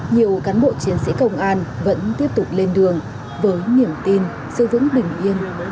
nhiều cán bộ chiến sĩ công an vẫn tiếp tục lên đường với niềm tin sư vững bình yên hạnh phúc cho nhân dân